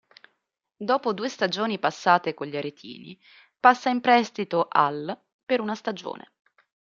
Dopo due stagioni passate con gli aretini, passa in prestito al per una stagione.